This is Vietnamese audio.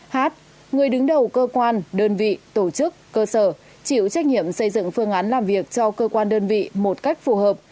hát người đứng đầu cơ quan đơn vị tổ chức cơ sở chịu trách nhiệm xây dựng phương án làm việc cho cơ quan đơn vị một cách phù hợp